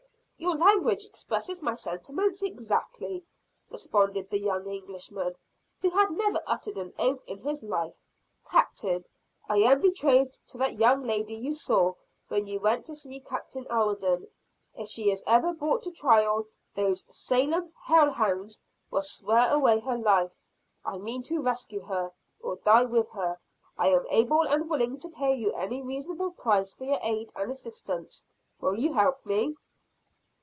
"Your language expresses my sentiments exactly!" responded the young Englishman, who had never uttered an oath in his life. "Captain, I am betrothed to that young lady you saw when you went to see Captain Alden. If she is ever brought to trial, those Salem hell hounds will swear away her life. I mean to rescue her or die with her. I am able and willing to pay you any reasonable price for your aid and assistance, Will you help me?"